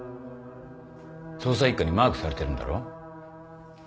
捜査１課にマークされてるんだろ？